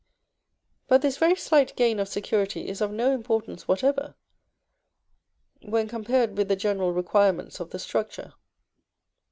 But this very slight gain of security is of no importance whatever when compared with the general requirements of the structure.